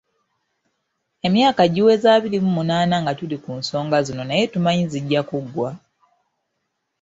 Emyaka giweze abiri mu munaana nga tuli ku nsonga zino naye tumanyi zijja kuggwa